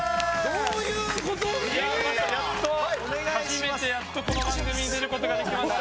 やっと初めてやっとこの番組に出る事ができました。